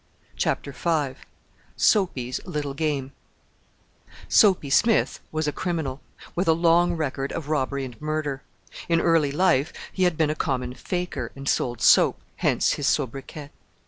CHAPTER V SOAPY'S LITTLE GAME "Soapy" Smith was a criminal, with a long record of robbery and murder. In early life he had been a common "faker" and sold soap, hence his sobriquet.